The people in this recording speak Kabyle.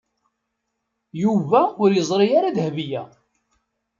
Yuba ur yeẓri ara Dahbiya.